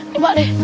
nih pak deh